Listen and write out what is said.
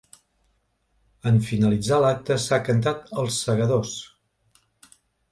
En finalitzar l’acte s’ha cantat ‘Els Segadors’.